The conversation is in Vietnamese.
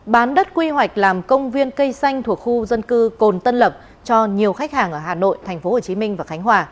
bán đất quy hoạch làm công viên cây xanh thuộc khu dân cư cồn tân lập cho nhiều khách hàng ở hà nội tp hcm và khánh hòa